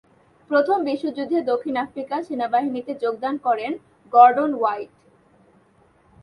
প্রথম বিশ্বযুদ্ধে দক্ষিণ আফ্রিকা সেনাবাহিনীতে যোগদান করেন গর্ডন হোয়াইট।